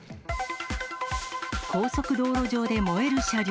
高速道路上で燃える車両。